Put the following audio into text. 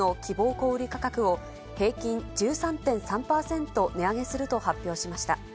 小売り価格を、平均１３．３％値上げすると発表しました。